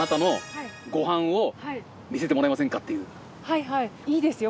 はいはいいいですよ。